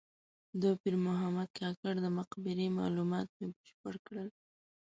د پیر محمد کاکړ د مقبرې معلومات مې بشپړ کړل.